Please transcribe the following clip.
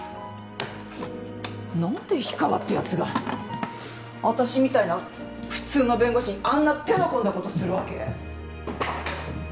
何で氷川ってやつが私みたいな普通の弁護士にあんな手の込んだことするわけ？